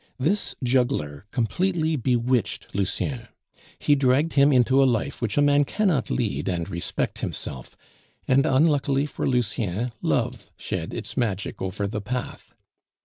This juggler completely bewitched Lucien; he dragged him into a life which a man cannot lead and respect himself, and, unluckily for Lucien, love shed its magic over the path.